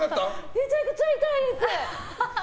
めちゃくちゃ痛いです。